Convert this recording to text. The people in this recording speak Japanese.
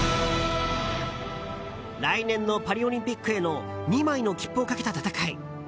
来年のパリオリンピックへの２枚の切符をかけた戦い。